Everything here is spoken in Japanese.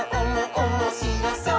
おもしろそう！」